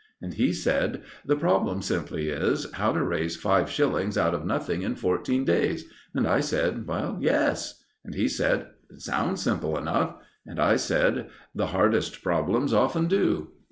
And he said: "The problem simply is: How to raise five shillings out of nothing in fourteen days." And I said: "Yes." And he said: "It sounds simple enough." And I said: "The hardest problems often do."